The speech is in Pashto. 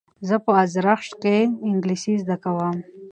زه په ازرخش کښي انګلېسي زده کوم.